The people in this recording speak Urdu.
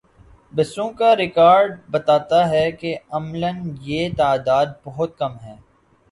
بسوں کا ریکارڈ بتاتا ہے کہ عملا یہ تعداد بہت کم ہے۔